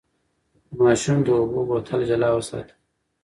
د ماشوم د اوبو بوتل جلا وساتئ.